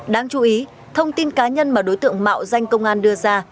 đáng chú ý thông tin cá nhân mà đối tượng mạo danh công an đưa ra